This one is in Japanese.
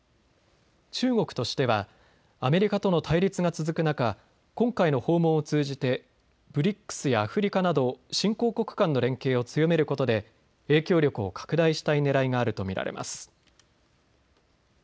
中国としてはアメリカとの対立が続く中、今回の訪問を通じてＢＲＩＣＳやアフリカなど新興国間の連携を強めることで影響力を拡大したいねらいがあると見られます。